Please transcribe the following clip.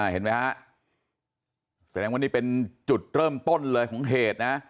เห็นไหมฮะแสดงว่านี่เป็นจุดเริ่มต้นเลยของเหตุนะ